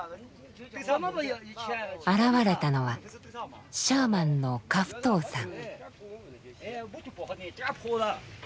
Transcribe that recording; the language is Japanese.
現れたのはシャーマンの夏付冬さん。